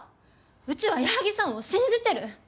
うちは矢作さんを信じてる。